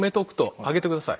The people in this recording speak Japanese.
上げて下さい。